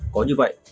có như vậy